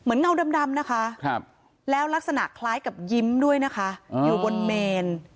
เงาดำนะคะแล้วลักษณะคล้ายกับยิ้มด้วยนะคะอยู่บนเมน